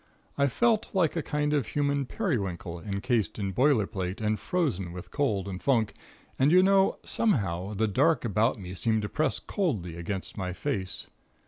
I felt like a kind of human periwinkle encased in boilerplate and frozen with cold and funk. And, you know, somehow the dark about me seemed to press coldly against my face.